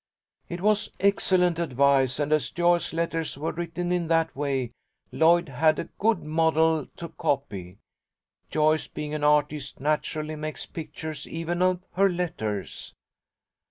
"It was excellent advice, and as Joyce's letters were written in that way, Lloyd had a good model to copy. Joyce, being an artist, naturally makes pictures even of her letters.